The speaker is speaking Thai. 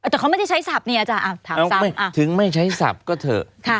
แต่เขาไม่ได้ใช้ศัพท์เนี่ยอาจารย์ถึงไม่ใช้ศัพท์ก็เถอะ